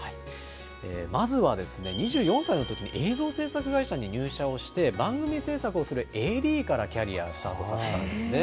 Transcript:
まずは２４歳のときに映像制作会社に入社をして、番組制作をするＡＤからキャリアをスタートさせたんですね。